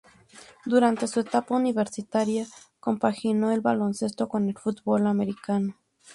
Durante su etapa universitaria compaginó el baloncesto con el fútbol americano.